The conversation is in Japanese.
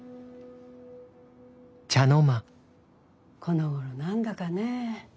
このごろ何だかねえ